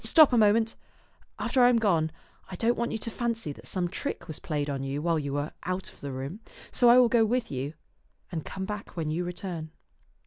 Stop a moment. After I am gone, I don't want you to fancy that some trick was played you while you were out of the room, and so I will go with you and come back when you return."